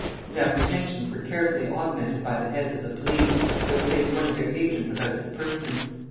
His apprehensions were carefully augmented by the heads of the police, who had placed one of their agents about his person.